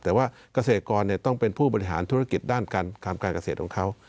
แต่ว่าเกษตรกรต้องเป็นผู้บริหารธุรกิจด้านการทำการเกษตรของเขา